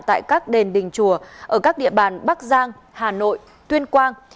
tại các đền đình chùa ở các địa bàn bắc giang hà nội tuyên quang